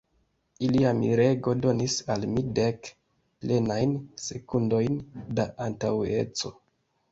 Ilia mirego donis al mi dek plenajn sekundojn da antaŭeco.